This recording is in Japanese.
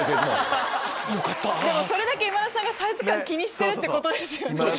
それだけ今田さんがサイズ感気にしてるってことですよね。